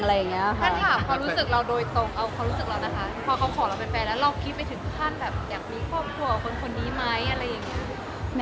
คือบอกเลยว่าเป็นครั้งแรกในชีวิตจิ๊บนะ